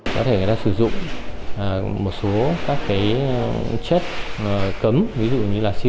có thể người ta sử dụng một số các cái chất cấm ví dụ như là si côn